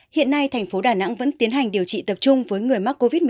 hiện nay thành phố đà nẵng vẫn tiến hành điều trị tập trung với người mắc covid một mươi chín